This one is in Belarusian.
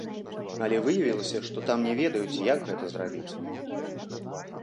Але выявілася, што там не ведаюць, як гэта зрабіць.